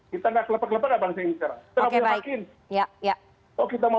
kita nggak kelepak kelepak kayak bangsa ini sekarang